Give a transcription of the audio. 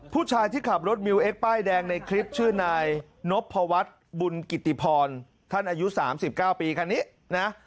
ผู้ชายที่ขับรถมิวเอ็กป้ายแดงในคลิปชื่อนายนพวัฒน์บุญกิติพรท่านอายุ๓๙ปีคันนี้นะ